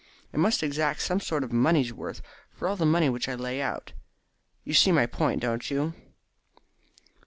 I must exact some sort of money's worth for all the money which I lay out You see my point, don't you?"